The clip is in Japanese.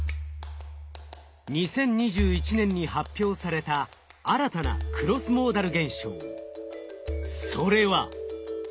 ２０２１年に発表された新たなクロスモーダル現象。